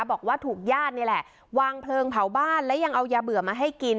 บอกว่าถูกญาตินี่แหละวางเพลิงเผาบ้านและยังเอายาเบื่อมาให้กิน